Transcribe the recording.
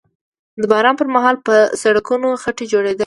د باران پر مهال به په سړکونو خټې جوړېدلې